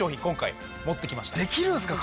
できるんすか？